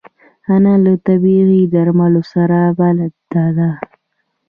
انا له طبیعي درملو سره بلد ده